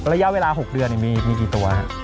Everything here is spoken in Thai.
ระยะเวลา๖เดือนมีกี่ตัวฮะ